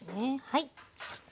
はい。